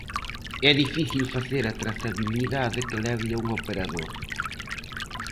É difícil facer a trazabilidade que leve a un operador.